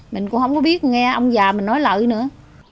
mình cũng không có biết nghe ông già mình nói lợi nữa